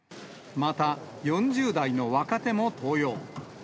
また４０代の若手も登用。